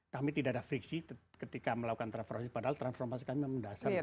kami tidak ada friksi ketika melakukan transferasi padahal transferasi adalah hal yang sangat penting